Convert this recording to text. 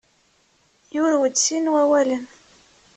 Yurew-d sin n wawalen.